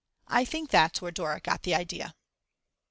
I think that's where Dora got the idea.